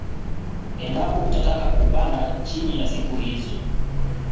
Endapo utataka kuupanda chini ya siku hizo